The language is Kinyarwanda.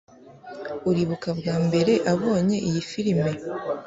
uribuka bwa mbere ubonye iyi firime